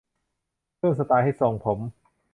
เพิ่มสไตล์ให้ทรงผม